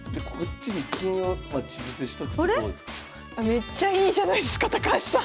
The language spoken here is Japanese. めっちゃいいじゃないですか高橋さん！